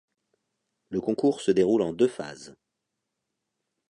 Le concours se déroule en deux phases.